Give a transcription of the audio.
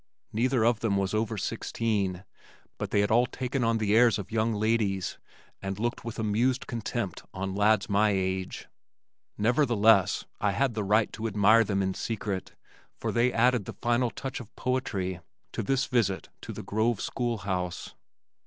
Neither of them was over sixteen, but they had all taken on the airs of young ladies and looked with amused contempt on lads of my age. Nevertheless, I had the right to admire them in secret for they added the final touch of poetry to this visit to "the Grove School House."